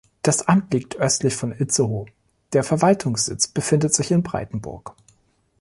Das Amt liegt östlich von Itzehoe, der Verwaltungssitz befindet sich in Breitenburg.